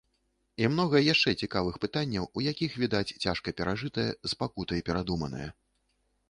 І многа яшчэ цікавых пытанняў, у якіх відаць цяжка перажытае, з пакутай перадуманае.